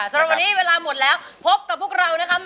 สำหรับวันนี้เวลาหมดแล้วพบกับพวกเรานะครับ